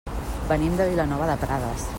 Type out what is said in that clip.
Venim de Vilanova de Prades.